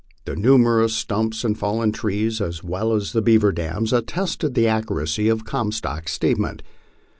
The numerous stumps and fallen trees, as well as the beaver dams, attested the accuracy of Comstock's statement.